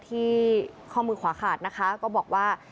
ข้อมือขวาขาดนะคะก็บอกว่า